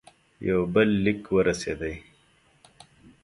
یو بل لیک ورسېدی.